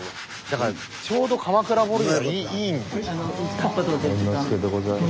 だからちょうど鎌倉彫にはいい。